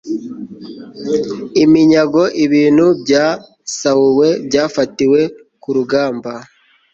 iminyago ibintu byasahuwe, byafatiwe ku rugamba